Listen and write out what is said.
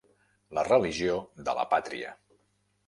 La religió de la pàtria.